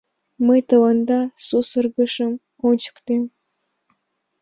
— Мый тыланда сусыргышым ончыктем!